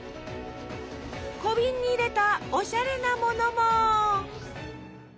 小瓶に入れたおしゃれなものも。